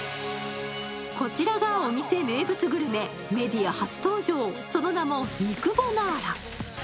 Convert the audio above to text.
こちらがお店名物グルメ、メディア初登場、その名も肉ボナーラ。